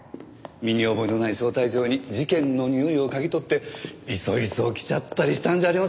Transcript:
身に覚えのない招待状に事件のにおいを嗅ぎ取っていそいそ来ちゃったりしたんじゃありません？